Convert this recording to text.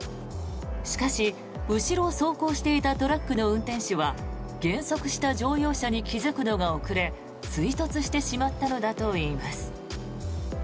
しかし、後ろを走行していたトラックの運転手は減速した乗用車に気付くのが遅れ追突してしまったのだといいます。